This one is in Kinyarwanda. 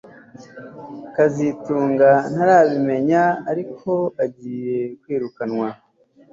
kazitunga ntarabimenya ariko agiye kwirukanwa